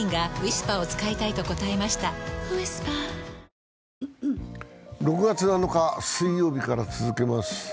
ニトリ６月７日水曜日から続けます。